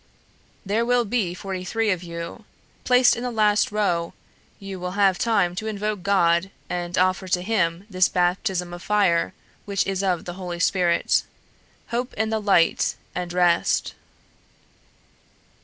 There will be forty three of you. Placed in the last row, you will have time to invoke God and offer to Him this baptism of fire, which is of the Holy Spirit. Hope in the Light, and rest."